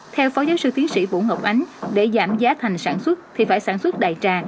theo phó giáo sư tiến sĩ vũ ngọc ánh để giảm giá thành sản xuất thì phải sản xuất đại trà